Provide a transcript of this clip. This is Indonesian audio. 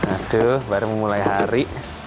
aduh baru memulai hari